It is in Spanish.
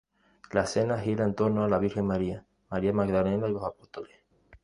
La escena gira en torno a la Virgen María, María Magdalena y los Apóstoles.